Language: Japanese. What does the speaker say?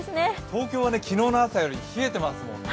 東京は昨日の朝より冷えてますもんね。